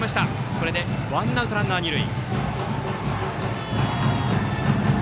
これでワンアウトランナー、二塁。